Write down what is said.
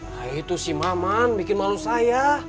nah itu si maman bikin malu saya